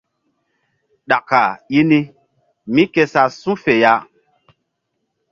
Ɗaka i ni mí ke sa su̧ fe ya.